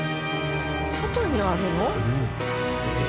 外にあるの？